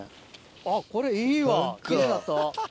あっこれいいわ奇麗になった。